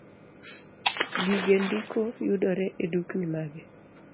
Gige ndiko yudore edukni mage